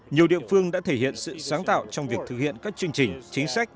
nhiều địa phương đã thể hiện sự sáng tạo trong việc thực hiện các chương trình chính sách